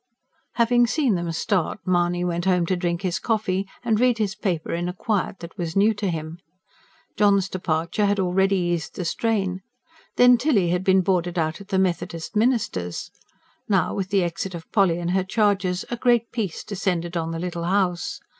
Having seen them start, Mahony went home to drink his coffee and read his paper in a quiet that was new to him. John's departure had already eased the strain. Then Tilly had been boarded out at the Methodist minister's. Now, with the exit of Polly and her charges, a great peace descended on the little house.